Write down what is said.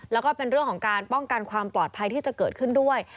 แล้วก็เป็นเรื่องของการป้องกันความปลอดภัยที่จะเกิดขึ้นด้วย